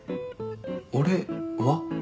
俺は？